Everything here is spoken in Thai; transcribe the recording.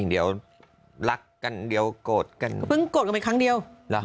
เดี๋ยวรักกันเดี๋ยวกอดกันเพิ่งกอดกันไปครั้งเดียว